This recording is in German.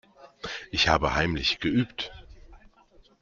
Ich habe heimlich geübt.